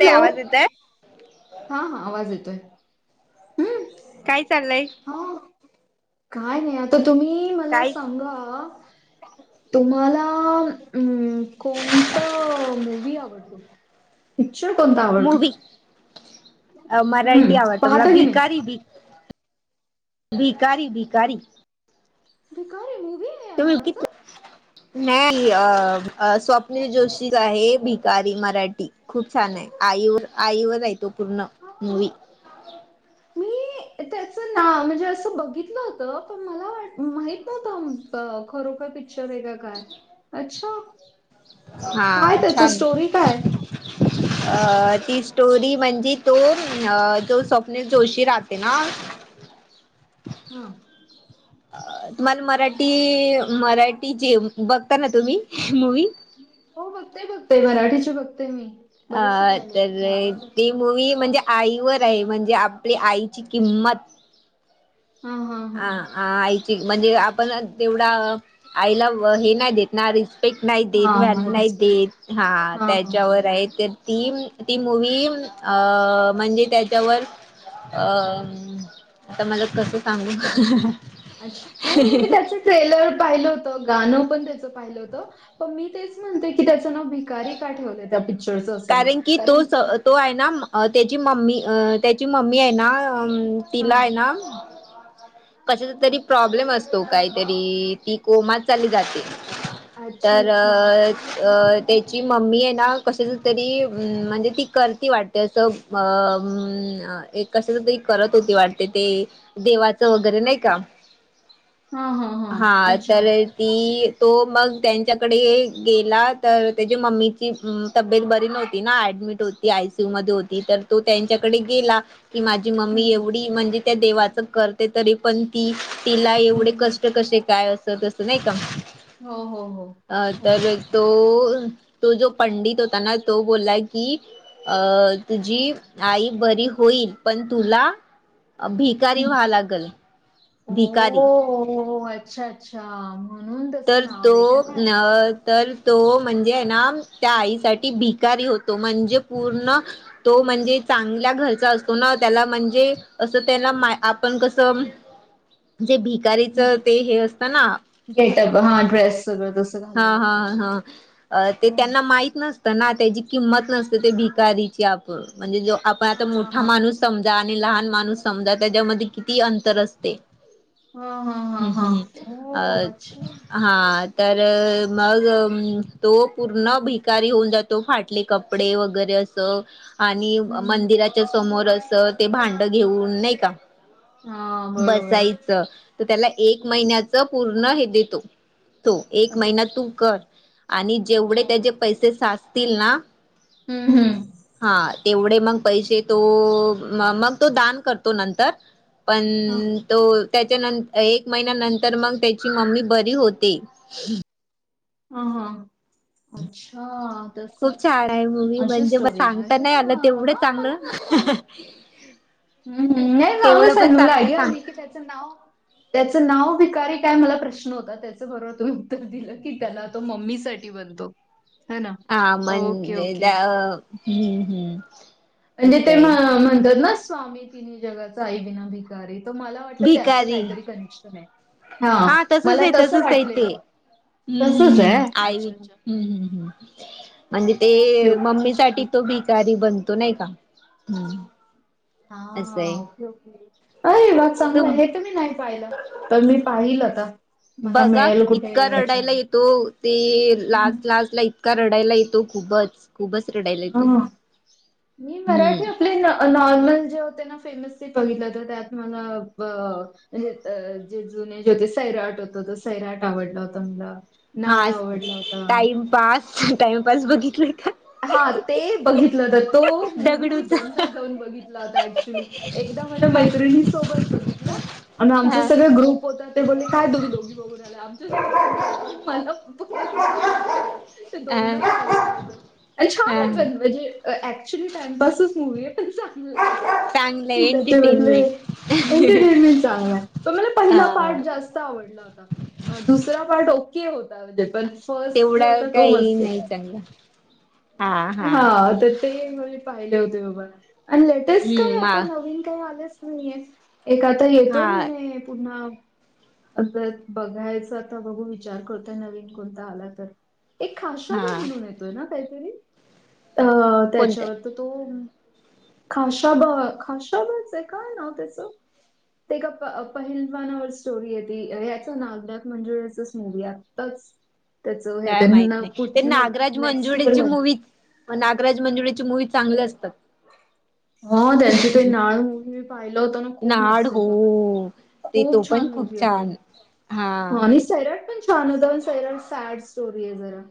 ताई हॅलो. आवाज येतोय? हां हां आवाज येतोय. हम्म काय चाललंय? हा काय नाही आता तुम्ही मला काहीच सांगा तुम्हाला उम्म कोणतं मूवी आवडतो? पिक्चर कोणता आवडतो? अ मराठी हम्म आवडत मला, पाहता की नाही बिकारी बी, भिकारी भिकारी भिकारी मुवीय. [unintelligible] नाही अ अ स्वप्नील जोशीच आहे, भिकारी मराठी. खूप छान आहे आईवर, आईवर आहे तो पूर्ण हा मूवी. मी त्याच नाव म्हणजे असं बघितलं होतं पण मला वा माहीत नव्हतं. अ खरोखर पिक्चर वेग काय? हा काय त्याच छान स्टोरी काय? अ ती स्टोरी म्हणजे तो उम्म अ तो स्वप्नील जोशी राहते ना हं. अ तुम्हाल मराठी, मराठी जे बघता ना तुम्ही मूवी? हो बगतोय बगतोय मराठीचे बगतोय मी. अ बरेचसे पाहिलेले तर आहेत मी आवडतात ती मला. मूवी म्हणजे आ आईवर आहे म्हणजे आपली आईची किंमत. हां, हां, आ हां. आ आईची म्हणजे आपण तेवढा आईला व हे नाही देत ना रिस रिस्पेक्ट नाय देत, हां, व्हॅल्यू नाय रिस्पेक्ट आहे. देत हां त्याच्यावर आहे ते. तीम ती मूवी येऊन अं म्हणजे त्याच्यावर अम्म, आता मला कस सांगू? अच्छा, नाही म्हणजे मी त्याच ट्रेलर पाहिलं होत, गाणं पण त्याच पाहिलं होत, पण मी तेच म्हणते की त्याचं नाव भिकारी का ठेवलंय त्या पिक्चरचं असं नाव, की तो कारण तो आहे ना म त्याची मम्मी अ त्याची मम्मी आहे ना अम्म तिला आय हां. ना कशाचा तरी प्रॉब्लेम असतो काहीतरी ती कोमात चालली जाते. अच्छा, तर अच्छा. अ त्याची मम्मी आहे ना कशाच तरी अम्म म्हणजे ती करती वाटत अस त्याच म अम्म ए कशाच तरी करत होती वाटते, ते देवाचं वगैरे नाही का? हां हां. हां त्याले ती, तो मग त्यांच्याकडे गेला तर त्याची मम्मीची उम्म तब्येत बरी नव्हती ना ॲडमिट होती, आय सी यू मध्ये होती, तर तो त्यांच्याकडे गेला की माझ जी हं, मम्मी हं. एवढी म्हणजे त्या देवाच करते तरी पण ती तिला हं, एवढे क हं. कशे काय अस तसं नाही का? हो, हो, अ हो. तर अच्छा. तो तो जो पंडित होता ना तो बोलला की अ तुझी आई बरी होईल पण तुला अ भीक कारी व्हायल लागल. ओ भिकारी हो अच्छा! अच्छा, म्हणून तस तर नाव तो आहे का? तर तो म्हणजे आहे ना त्या आईसाठी भिकारी होतो म्हणजे पूर्ण तो म्हणजे चांगल्या घरचा असतो ना त्याला म्हणजे असं त्याला माय आपण कसं [inaudible] जे भिकारीचं ते हे असतं ना गेट अप हा ड्रेस सगळं तसं. हा घालावं हा लागतं. हा अ ते हो. त्यांना माहित नस त्यांना त्याची किंमत नसते ते भिकारीची आपण म्हणजे जो आपण हा आता हा मोठा हा माणूस समजा आणि लहान माणूस समजा त्याच्यामध्ये किती अंतर असते. हा हा हा हम्म हा हम्म हो अच्छा हम्म अ हा तर मग तो पूर्ण भिकारी होऊन जातो फाटले कपडे वगैरे अस तो आणि हम्म मंदिराच्या समोर अस ते भांड घेऊन नाही का हा बरोबर बसायचं तर त्याला एक महिन्याच पूर्ण हे देतो होतो एक ओके महिना तू कर आणि हो जेवढे त्याचे पैसे साचतील ना हम्म हम्म! हा तेवढे मग पैसे तो मग तो दान करतो नंतर पण हा तो त्याच्यानं एक महिन्या नंतर मंग त्याची मम्मी बरी होते. ह हा अच्छा! तस खूप छान आहे मुवी अशी म्हणजे मला स्टोरी आहे सांगता अरे नाही वा आलं तेवढं हा चांगल. पण चांगलं सांग [unintelligible] त्याच नाव भिकारी काय मला प्रश्न होता त्याच बरोबर तुम्ही उत्तर दिलं. कि त्याला तो मम्मी साठी बनतो. है ना आ ओके म्हणजे द ओके हम्म हम्म म्हणजे असं ते आहे म्हणतात ना स्वामी तिन्ही जगाचा आई विना भिक कारी तर मला वाटलं त्याचं भिकारी काहीतरी कनेक्शन आहे हा तसच मला आहे तसं तसच आहे ते वाटलेलं तसंच आहे आई अच्छा वि अच्छा म्हणजे ते ओके ओके. मम्मी साठी तो भिकारी बनतो नाही का असं हा आहे ओके ओके अरे वाघ चांगलं आहे तुम हे तर मी नाही पाहिलं. तर मी पाहिल आता मला बघा मिळेल कुठे इतका ह्याच्यावर रडायला येतो ते लाच हम्म. लाच ला इ का रडायला येतो खूपच खूपच रडायला येतो. हा मी हम्म मराठी आपले नॉर्मल जे होते ना फिल् मीच ते बघितलं तर त्यात मला अ म्हणजे जे जुने जे होते सैराट होत तो सैराट आवडला होता मला. नाळ आज आवडला होता. टाइमपास टाइमपास बघितलंय का? हा ते बघितलं होत तो मुूवी मी दगडूचा दोनदा जाऊन बघितला होता ऍ एकदा मला मैत्रिणी सोबत बघितलं आणि आमच हा सगळ ग्रुप होता ते बोले काय तुम्ही दोघी बघून आला आमच्यासोबत पण चला मग मला परत जाव लागला. ते हा दोनदा पाहिला आहे मी ते अ छान हा आहे पण म्हणजे ऍक्च्युली टाइमपासच मुूवी आहे पण चा चांगलं त्याच्यामधले एंटरटेनमेंट एंटरटेनमेंट चा आहे तो मला अ पहिला पार्ट जास् मस्त आवडला होता, दुसरा पार्ट ओके होता म्हणजे पण फर्स्ट जो होता तो, मस्त होता. या. हा, आता ते म्हंजे पाहिले होते बाबा मी आणि लेटेस्ट काय हम्म मा आता नवीन काही आल्यात? एक आता येतोय हा म्हणे पुून्हा जर बघायच, आता बघू विचार करतोय नवीन कोणता आला तर एक हा खाशाबा म्हणून येतोय ना, काहीतरी अ कोणतं त्याच्यावर तर तो खाशाबा, खाशाबाच आहे का नाव त्याचं? ते एका प पहिलवानावर स्टोरी ये ती, ह्याच नाव त्यात म्हंजे असं मूवी् आहे अताच त्याच व्हय काय त्यांना माहित नाव नाही ते [unintelligible] नेक्स्ट इयर मग नागराज मंजुळेची मूवी् चांगले असतात. हां, त्यांचे ते नाळ मूव्ही मी पाहिलं होत ना, खूप नाड मस्त होता. हो ते तो खूप पण छान मूव्ही खूप होता छान तो. हा. आणि सैराट पण छान होता, पण सैराट सॅड स्टोरी आहे जरा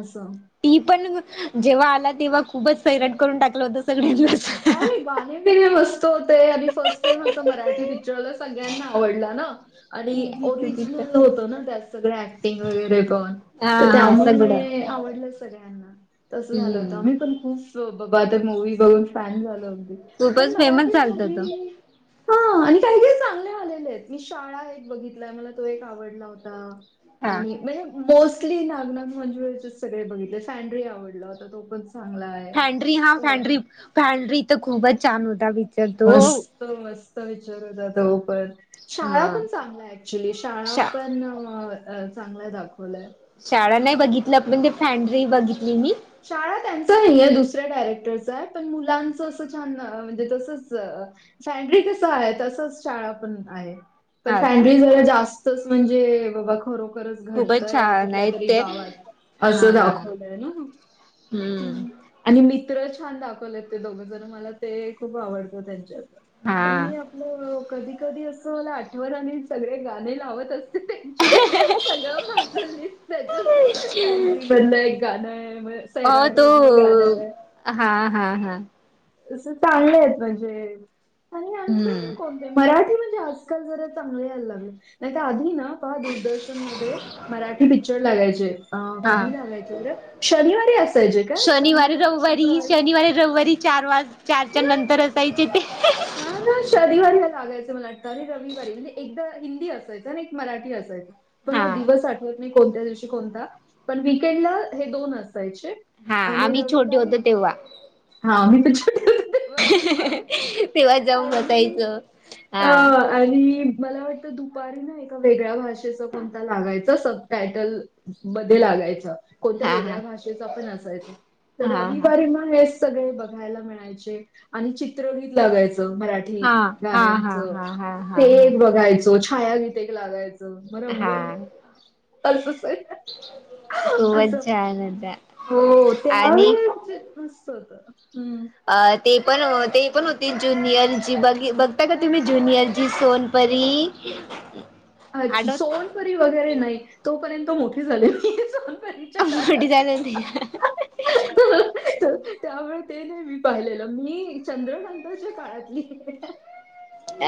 असं. ती पण जेव्हा आला तेव्हा, खूपच सैराट करून टाकलं होता सगळ्यांनाच. त्यातले गाणे विण्या असतो ते आणि फर्स्ट टाईम असं मराठी पिक्चर सगळ्यांना आवडला ना. आणि जिथं तिथं ओरिजिनल होतं ना, त्यात सगळ्या ऍक्टिंग वगैरे पण हा तर हा सगळं त्यामुळे आवडलं सगळ्यांना, तसं झालं होतं हम्म. आम्ही पण खूप जो बाबा, आ मूवी् बघून फॅन झालो अगदी पण खूपच फेमस मराठी झालता तो. मूवी हा आणि काही काही चांगले आलेले आहेत. मी शाळा एक बघितलाय, मला तो एक आवडला होता. हा. आणि म्हणजे मोस्टली नागनाथ मंजुळेचे सगळे बघितले, फॅनडरी आवडला होता, तो पण चांगला आहे फॅन्ड्री हा फॅन्ड्री, फॅन्ड्री तर खूपच छान होता. पिक्चर तो. मस्त मस्त पिचर होता तो पणं शाळा हा पण चांगला हाय ऍक्च्युली, शाळा शा पण अ चांगला दाखवलाय. शाळा नाही बघितलं, पण ते फँडरी बघितली मी. शाळा त्यांचा नाहीए, दुसऱ्या डायरेक्टरचा हाय, पण मुलांचं असं छान अ म्हणजे तसच फॅन्ड्री कस आहे, तसच शाळा पण आहे. पण हा का फॅन्ड्री ज मध्ये जरा जास्तच म्हणजे बाबा खर च खूपच घडतय, छान कुठल्या आहे तरी ते गावात असं हा दाखवलंय ना? ह हम्म ह. आणि मित्र छान दाखवलेत, ते दोघं जण मला ते खूप आवडतं त्यांच्यात. हा. मी आपलं कधी कधी असं मला आठवण आणि सगळे गाणे लावत असते त्यांचे. [inaudible] सगळं माझं लिस् त्याचच ये फॅन्ड्री मधलं एक गाणंय अ सैराट तो मधलं गाणंय. हा. हा. हा. अस चांगलेत म्हणजे आणि आणखी हम्म कोणते मराठी म्हणजे अस आजकाल जरा चांगले यायला लागले, नाही तर आधी ना, पा दूरदर्शन मध्ये मराठी पिक्चर लागायचे, आ हा. कधी लागायचे बर, शनिवारी असायचे काय? शनिवारी- रववारी, शनिवारी- रववारी चार वाज चारच्या नंतर असायचे ते. हा ना शनिवारी, हा लागायचं मला वाटत, हे रविवारी म्हणजे एकदा हिंदी असं त्याच्याने एक मराठी असायचा. हा मला दिवस आठवत नाही कोणत्या दिवशी कोणता पण वीकेंडला हे दोन असायचे. हा आम्ही छोटे होतो तेव्हा. हा मी तर छोटे होतं. तेव्हा जाउन आणि बसायचं अ, हा. आणि मला वाटतं दुपारी ना एका वेगळ्या भाषेचं कोणता लागायचं सब टायटल. मध्ये लागायच कोणत्या हा हा वेगळ्या भाषेचा पण असायच हा तर हा रविवारी मग. हे सगळे बघायला मिळायचे आणि चित्रगीत लागायच मराठी. ते हा हा हा गाण्याच हा हा ते हा एक हा बघायचो छायागीत एक लागायच. द म रंगोली. हा खूपच छान होता हो आणि हम. अ ते पण ते पण होते ज्युनियर जी बघ बघता का तुम्ही ज्युनियर जी सोन''--'' परी. अच्छा सोनपरी वगैरे नाही तोपर्यंत मोठी झालेली सोनपरी. श का मोठी झाली होती [inaudible] त्यामुळे ते नाही मी पाहिलेलं मी चंद्रकांतच्या काळातली हाय.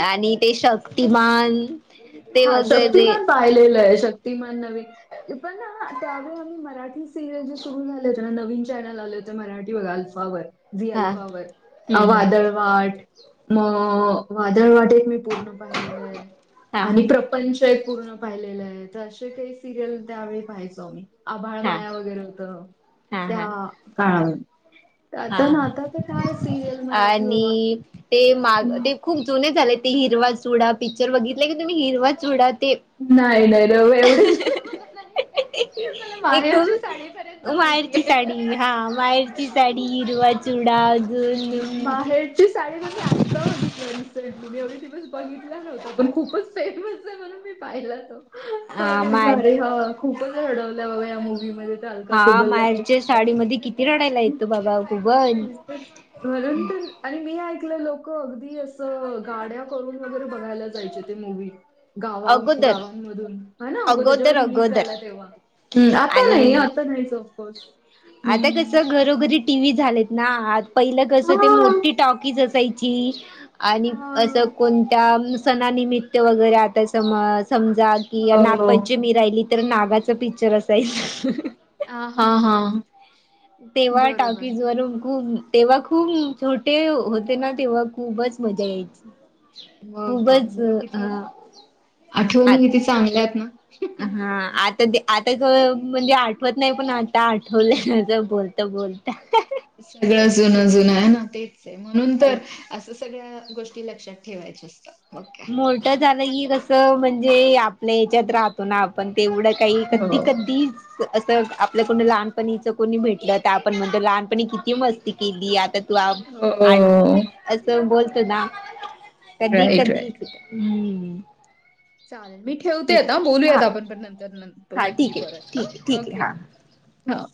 आणि ते शक्तिमान. ते हा वगैरे शक्तिमान पाहिलेलं आहे शक्तिमान नवीन पण त्यावेळी आम्ही मराठी. सिनियर जी सुरू झाले होते ना नवीन चॅनल आले होते मराठी व अल्फावर. जी हा अल्फावर. हम्म हम्म वाट मग वादळ वाट एक मी पूर्ण पाहिलेलं आहे. हा आणि प्रपंचही पूर्ण पाहिलेलं आहे तर असे काही सिरियल त्यावेळी पाहायचो आम्ही. आभाळ हा माया वगैरे होतं हा त्या हा काळात. हा आता ना हा आता ते काय सिरियल मराठी बाबा आणि ते माग हम्म. ते खूप जुने झाले ते हिरवा चुडा पिक्चर बघितलं की तुम्ही? हिरवा चुडा ते. नाही नाही एवढे जुने मला नाही आवडत. एक माहेरची माहितीये. साडी हां माहेरची. ची साडी हिरवा चूडा जुनू मग. ची साडी तर मी आता बघितलं रिसेंटली मी एवढे दिवस बघितला नव्हता पण खूपच फेमस आहे म्हणून मी. पाहिला तो. हा तर म्हटलं माहेर अरे हां खूपच रडवलं बाबा या मुव्हीमध्ये तर अलका खुबरला काय खरं नाही. ति रडायला येतो बाबा खूपच. मग नंतर. आणि मी ऐकलं लोक अगदी असं गाड्या करून वगैरे बघायला जायचे ते मूवी्. गावा अगोदर गावांमधून हा ना जेव्हा अगोदर रिलीज अगोदर झाला तेव्हा. आत्ता आणि नाहीच ओ. आता कस घरोघरी. टी व्ही झालेत ना पहिलं कसं ते हां. मोठी टॉकीज असायची. आणि असं हां. कोणत्या सणानिमित्त वगैरे आता समा समजा. की हो. नागपंचमी राहिली तर नागाचं पिक्चर असायचा. आ हां हां, तेव्हा टॉकीज वरून खूप. तेव्हा खूप छोटे होते ना तेव्हा खूपच मजा यायची. मग काय खूपच मग अ किती ''--'' आठवणी आता किती चांगल्या आहेत ना. अहं आत ''--'' तर ते आता क म्हणजे आठवत नाही पण आता आठवलं जर बोलता बोलता. सगळं जुनं जुनं आहे ना तेच आहे म्हणून तर असं सगळ्या गोष्टी लक्षात ठेवायच्या असतात मग काय. मोठ झालं की कसं म्हणजे आपल्या ह्याच्यात राह तो ना आपण तेवढं काही कधी हो. कधीच असं आपल्या कोणी लहानपणीच कोणी भेटलं तर आपण म्हणतो लहानपणी किती मस्ती केली. आता [unintelligible] ओ असं बोलतो ना कधी राईट कधी राईट. हम्म! चालेल मी ठेवतेय ठीक आता हा बोलूयात आपण पण नंतर न- हा ठीक नक्की आहे परत ठीक आहे हं ठीक आहे ओके! हा हव‌!